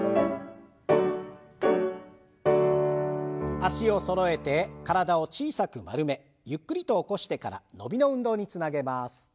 脚をそろえて体を小さく丸めゆっくりと起こしてから伸びの運動につなげます。